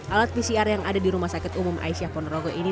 alat pcr yang ada di rumah sakit umum aisyah ponorogo ini